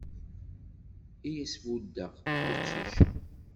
I as-buddeɣ d iqcicen.